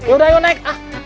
yaudah yuk naik